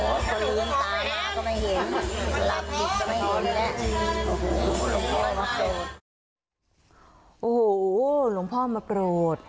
โอ้โหหลวงพ่อมาโปรด